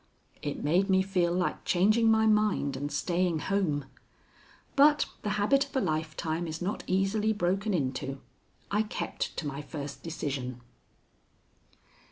It made me feel like changing my mind and staying home. But the habit of a lifetime is not easily broken into. I kept to my first decision.